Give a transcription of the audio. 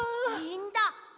いいんだ。